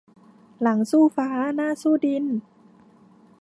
หลังสู้ฟ้า หน้าสู้ดิน